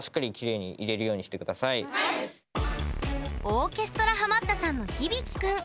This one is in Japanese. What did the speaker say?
オーケストラハマったさんの響輝君。